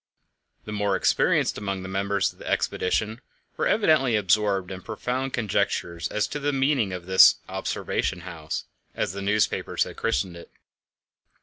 The more experienced among the members of the expedition were evidently absorbed in profound conjectures as to the meaning of this "observation house," as the newspapers had christened it.